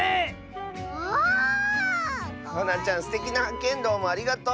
すてきなはっけんどうもありがとう！